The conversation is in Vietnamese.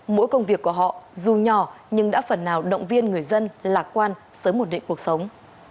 mỗi công việc của họ dù nhỏ nhưng đã phần nào động viên người dân lạc quan sớm ổn định cuộc sống